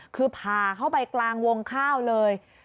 คือผ่าเข้าไปกลางวงข้าวเลย